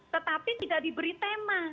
tetapi tidak diberi tema